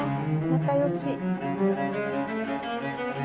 仲よし。